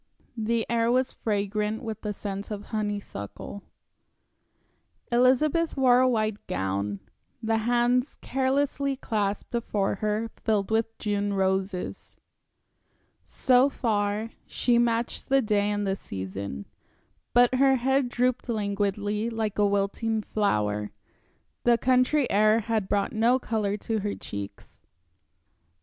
The air was fragrant with the scent of honeysuckle. Elizabeth wore a white gown; the hands carelessly clasped before her were filled with June roses. So far, she matched the day and the season. But her head drooped languidly, like a wilting flower, the country air had brought no color to her cheeks.